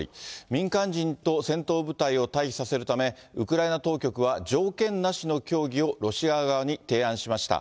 民間人と戦闘部隊を退避させるため、ウクライナ当局は条件なしの協議をロシア側に提案しました。